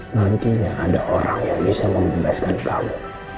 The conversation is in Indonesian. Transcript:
nantinya ada orang yang bisa membebaskan kamu